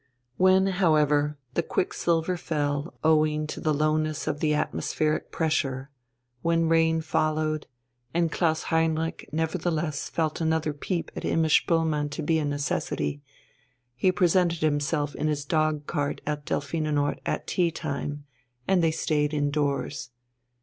When, however, the quicksilver fell owing to the lowness of the atmospheric pressure, when rain followed, and Klaus Heinrich nevertheless felt another peep at Imma Spoelmann to be a necessity, he presented himself in his dogcart at Delphinenort at tea time, and they stayed indoors.